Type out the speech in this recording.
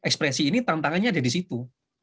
ekspresi ini tantangannya ada disitu